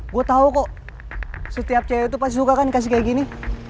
gue tau kok setiap cewek itu pasti suka kan kasih kayak gini